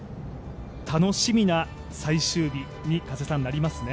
楽しみな最終日になりますね。